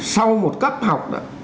sau một cấp học